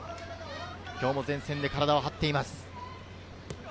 前線で体を張っています。